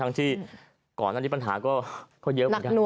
ที่ก่อนอันนี้ปัญหาก็เยอะเหมือนกัน